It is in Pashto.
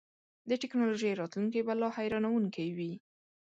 د ټیکنالوژۍ راتلونکی به لا حیرانوونکی وي.